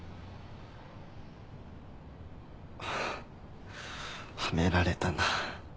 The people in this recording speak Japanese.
あっはめられたな。